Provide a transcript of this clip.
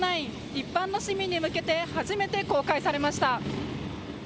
一般の市民に向けて初めて公開されました。